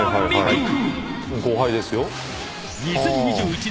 後輩ですよ。